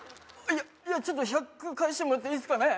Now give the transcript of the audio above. いやいやちょっと１００返してもらっていいっすかね？